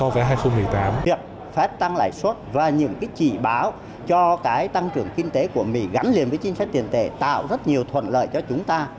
việc phát tăng lại suất và những chỉ báo cho tăng trưởng kinh tế của mỹ gắn liền với chính sách tiền tệ tạo rất nhiều thuận lợi cho chúng ta